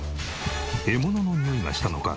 獲物のにおいがしたのか。